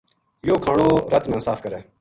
یوہ کھانو رَت نا صاف کرے